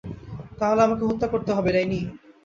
তাহলে আমাকে হত্যা করতে হবে, ডাইনী।